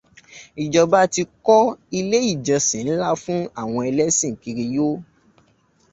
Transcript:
Ìjọba ti kọ ilé ìjọsìn ńlá fún awọn ẹlẹ́sìn kiriyó.